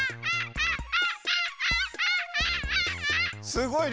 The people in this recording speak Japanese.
すごいね。